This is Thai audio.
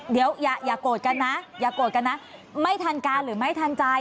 เดี๋ยวอย่าโกรธกันนะไม่ทันการหรือไม่ทันใจ